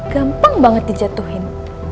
gampang banget dijatuhin